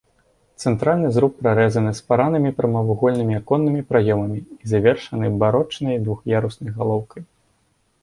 Цэнтральны зруб прарэзаны спаранымі прамавугольнымі аконнымі праёмамі і завершаны барочнай двух'яруснай галоўкай.